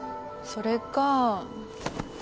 それか。